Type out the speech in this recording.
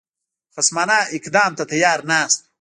خصمانه افدام ته تیار ناست وو.